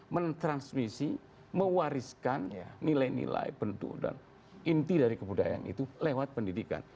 mentransmisi mewariskan nilai nilai bentuk dan inti dari kebudayaan itu lewat pendidikan